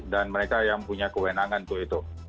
dan mereka yang punya kewenangan itu